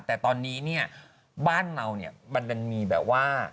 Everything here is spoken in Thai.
แต่ตอนนี้เนี่ยบ้านเราเนี่ยมันมีแบบว่า